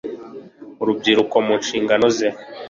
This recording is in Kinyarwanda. urubyiruko mu nshingano ze